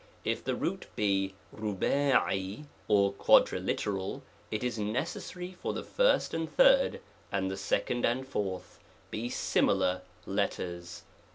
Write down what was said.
If the root be ^^ or quadriliteral, it is necessary that the first and third., and the second and fourth be similar letters